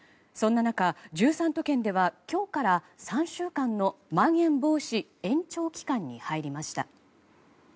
そんな中、１３都県では今日から３週間のまん延防止延長期間に入りました。